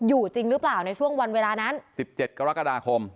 อยู่จริงรึเปล่าในช่วงวันเวลานั้นสิบเจ็ดกรกฎาคม